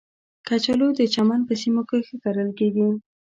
کچالو د چمن په سیمو کې ښه کرل کېږي